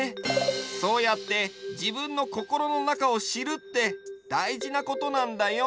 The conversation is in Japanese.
そうやってじぶんのこころのなかをしるってだいじなことなんだよ。